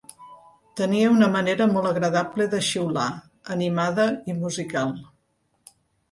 Tenia una manera molt agradable de xiular, animada i musical.